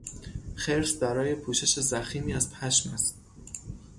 خرس دارای پوشش ضخیمی از پشم است.